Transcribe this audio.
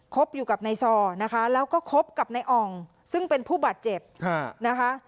บอยู่กับนายซอนะคะแล้วก็คบกับนายอ่องซึ่งเป็นผู้บาดเจ็บนะคะ